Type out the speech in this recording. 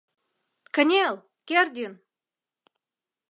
— Кынел, Кердин!